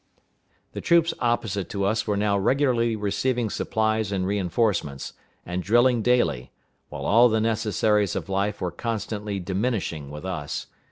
The troops opposite to us were now regularly receiving supplies and re enforcements, and drilling daily, while all the necessaries of life were constantly diminishing with us.